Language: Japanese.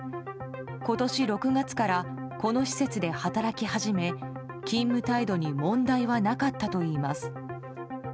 今年６月からこの施設で働き始め勤務態度に問題はなかったといいます。